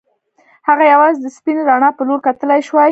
هغه یوازې د سپینې رڼا په لور کتلای شوای